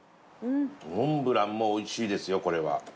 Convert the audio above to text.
モンブランもおいしいですよこれは。